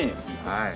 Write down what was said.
はい。